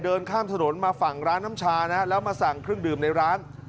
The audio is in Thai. เดินข้ามถนนมาฝั่งร้านน้ำชานะแล้วมาสั่งเครื่องดื่มในร้าน